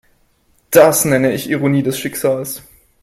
Das nenne ich Ironie des Schicksals.